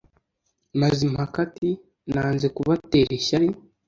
Mazimpaka, ati «Nanze kubatera ishyari,